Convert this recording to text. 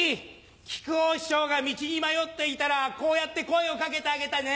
木久扇師匠が道に迷っていたらこうやって声をかけてあげてね。